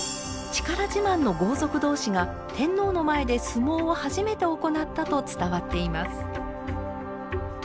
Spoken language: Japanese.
力自慢の豪族同士が天皇の前で相撲を初めて行ったと伝わっています。